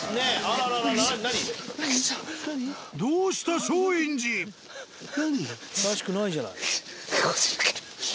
らしくないじゃない。